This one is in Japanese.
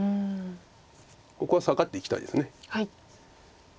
ここはサガっていきたいです。